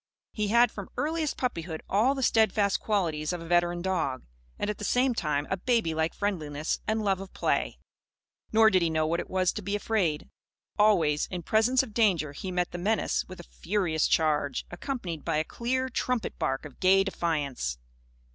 He had from earliest puppyhood, all the steadfast qualities of a veteran dog; and at the same time a babylike friendliness and love of play. Nor did he know what it was to be afraid. Always, in presence of danger, he met the menace with a furious charge, accompanied by a clear, trumpet bark of gay defiance.